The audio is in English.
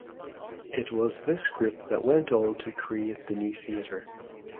It was this group that went on to create the New Theatre.